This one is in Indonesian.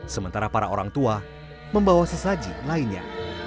sementara para orang tua membawa sesaji lainnya